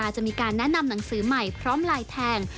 จะมีการแนะนำหนังสือใหม่พร้อมลายแทง